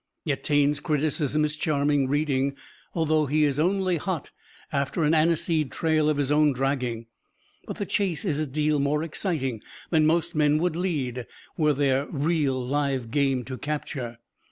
Yet Taine's criticism is charming reading, although he is only hot after an aniseed trail of his own dragging. But the chase is a deal more exciting than most men would lead, were there real live game to capture.